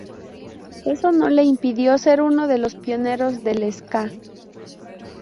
Eso no le impidió ser uno de los pioneros del ska.